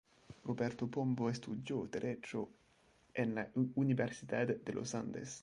Roberto Pombo estudió Derecho en la Universidad de los Andes.